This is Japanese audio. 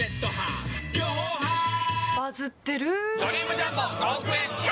バズってる。